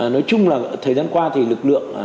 nói chung là thời gian qua thì lực lượng